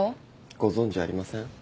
ご存じありません？